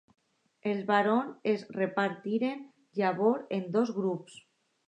Els barons es repartiren llavors en dos grups.